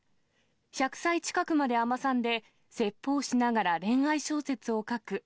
１００歳近くまで尼さんで、説法しながら恋愛小説を書く。